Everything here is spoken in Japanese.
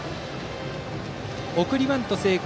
送りバント成功。